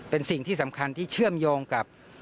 เป็นสิ่งที่สำคัญที่เชื่อมโยงกับ